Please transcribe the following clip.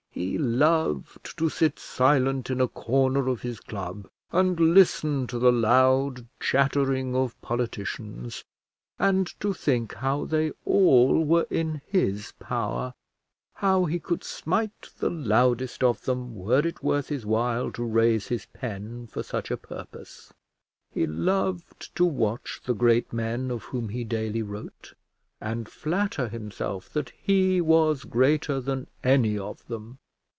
He loved to sit silent in a corner of his club and listen to the loud chattering of politicians, and to think how they all were in his power; how he could smite the loudest of them, were it worth his while to raise his pen for such a purpose. He loved to watch the great men of whom he daily wrote, and flatter himself that he was greater than any of them.